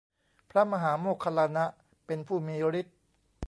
พระมหาโมคคัลลานะ เป็นผู้มีฤทธิ์